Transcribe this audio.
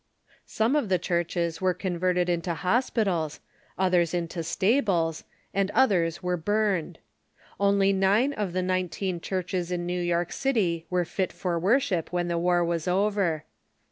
Some of the churches were converted into hospitals, others into stables, and others were burned. Only nine of the nineteen churches in New York City were fit for worship when the war was over.